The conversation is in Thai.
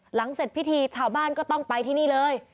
หลังเสร็จพิธีชาวบ้านก็ต้องไปที่นี่เลย